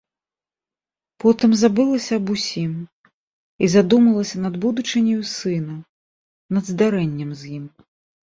Потым забылася аб усім і задумалася над будучыняю сына, над здарэннем з ім.